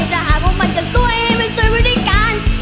ถ้าหากว่ามันจะสวยมันสวยไปด้วยกัน